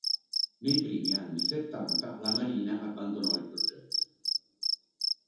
Nei primi anni settanta la Marina abbandonò il progetto.